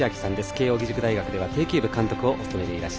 慶応義塾大学では庭球部監督をお務めです。